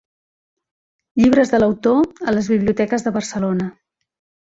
Llibres de l'autor en les biblioteques de Barcelona.